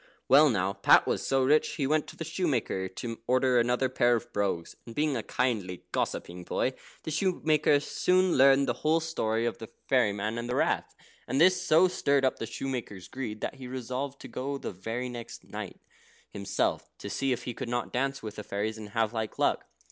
Well, now Pat was so rich, he went to the shoemaker to order another pair of brogues, and being a kindly, gossiping boy, the shoemaker soon learned the whole story of the fairy man and the Rath. And this so stirred up the shoemaker's greed that he resolved to go the very next night himself, to see if he could not dance with the fairies, and have like luck.